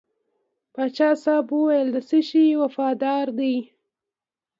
پاچا صاحب وویل د څه شي وفاداره دی.